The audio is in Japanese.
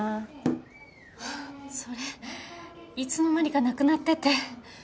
それいつの間にかなくなってて。